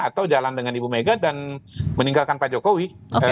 atau jalan dengan ibu mega dan meninggalkan pak jokowi